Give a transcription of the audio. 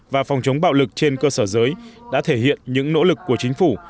và phòng chống bạo lực trên cơ sở giới đã thể hiện những nỗ lực của chính phủ